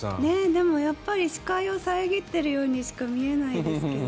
でも視界を遮ってるようにしか見えないですけど。